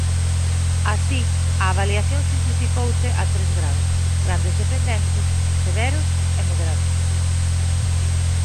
Así, a avaliación simplificouse a tres graos: grandes dependentes, severos e moderados.